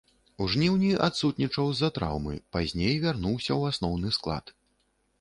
У жніўні адсутнічаў з-за траўмы, пазней вярнуўся ў асноўны склад.